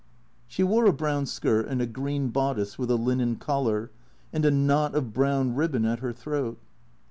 She wore a brown skirt, and a green bodice with a linen collar, and a knot of brown ribbon at her throat.